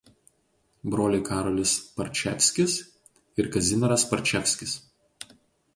Broliai Karolis Parčevskis ir Kazimieras Parčevskis.